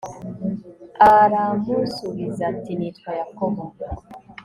aramusubiza ati nitwa yakobo